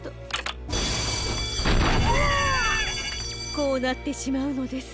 こうなってしまうのです。